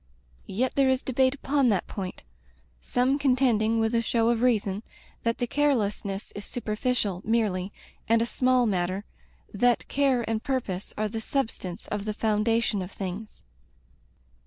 ... Yet there is debate upon that point; some contending, with a show of reason, that the carelessness Digitized by LjOOQ IC A Tempered Wind is superficial, merely, and a small matter; that care and purpose are the substance of the foundation of things.